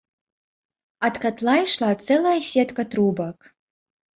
Ад катла ішла цэлая сетка трубак.